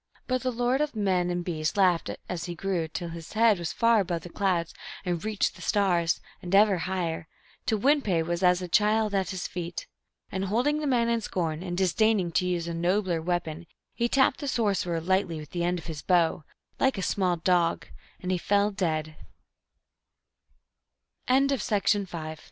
But the lord of men and beasts laughed as he grew till his head was far above the clouds and reached the stars, and ever higher, till Win pe was as a child at his feet. And holding the man in scorn, and disdaining to use a nobler weapon, he tapped the sorcerer lightly with the end of his bow, like a small do